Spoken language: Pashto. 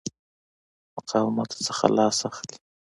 مقاومته څخه لاس اخلي.